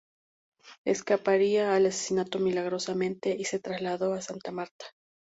Escaparía al asesinato milagrosamente y se trasladó a Santa Marta.